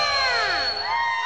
うわ！